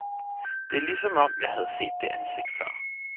– Det er ligesom om jeg havde set det ansigt før!